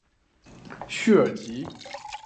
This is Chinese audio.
叙尔吉。